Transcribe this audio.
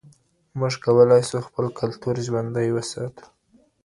موږ کولای سو خپل کلتور ژوندی وساتو.